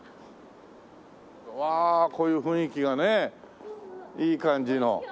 わあこういう雰囲気がねいい感じの。